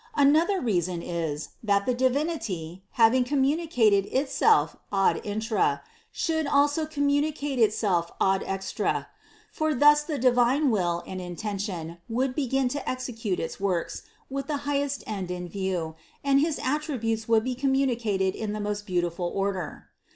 Another reason is, that the Divinity, having communicated Itself ad infra, should also communicate Itself ad extra; for thus the divine will and intention would begin to execute its works with the highest end in view, and his attributes would be communicated in the most beautiful order.